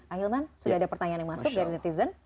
ahilman sudah ada pertanyaan yang masuk dari netizen